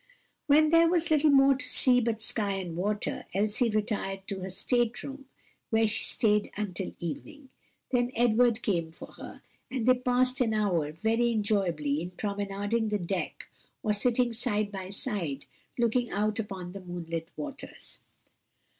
When there was little more to see but sky and water, Elsie retired to her state room, where she stayed until evening. Then Edward came for her, and they passed an hour very enjoyably in promenading the deck or sitting side by side, looking out upon the moonlit waters.